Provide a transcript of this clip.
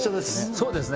そうですね